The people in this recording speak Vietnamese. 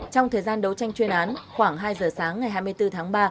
trong thời gian đấu tranh chuyên án khoảng hai giờ sáng ngày hai mươi bốn tháng ba